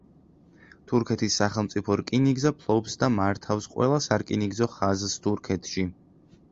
თურქეთის სახელმწიფო რკინიგზა ფლობს და მართავს ყველა სარკინიგზო ხაზს თურქეთში.